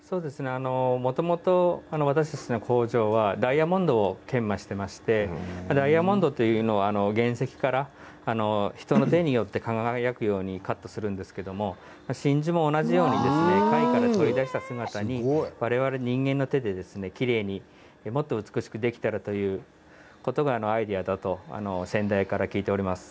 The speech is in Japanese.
もともと私たちの工場はダイヤモンドを研磨していましてダイヤモンドというのは原石から人の手によって輝くようにカットするんですけれど真珠も同じように貝から取り出した姿に我々、人間の手できれいにもっと美しくできたらということがアイデアだと先代から聞いております。